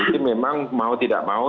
ini memang mau tidak mau